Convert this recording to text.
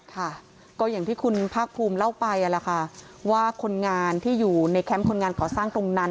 ค่ะก็อย่างที่คุณภาคภูมิเล่าไปแหละค่ะว่าคนงานที่อยู่ในแคมป์คนงานก่อสร้างตรงนั้น